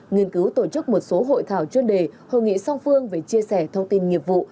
nghiên cứu tổ chức một số hội thảo chuyên đề hội nghị song phương về chia sẻ thông tin nghiệp vụ